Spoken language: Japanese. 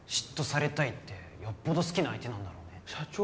嫉妬されたいってよっぽど好きな相手なんだろうね社長？